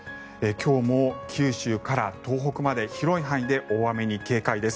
今日も九州から東北まで広い範囲で大雨に警戒です。